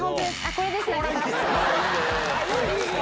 これです。